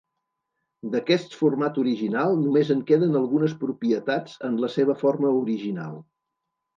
D'aquest format original només en queden algunes propietats en la seva forma original.